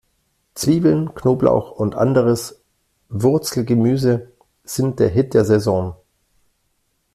Zwiebeln, Knoblauch und anderes Wurzelgemüse sind der Hit der Saison.